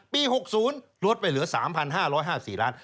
๖๐ลดไปเหลือ๓๕๕๔ล้าน